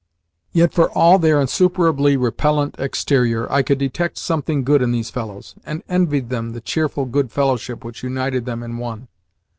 Yet, for all their insuperably repellent exterior, I could detect something good in these fellows, and envied them the cheerful good fellowship which united them in one.